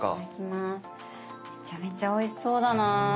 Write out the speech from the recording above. めちゃめちゃおいしそうだな。